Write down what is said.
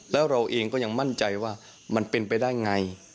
แล้วเราเองก็ยังมั่นใจว่ามันเป็นไปได้ไง